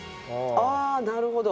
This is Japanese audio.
ああなるほど。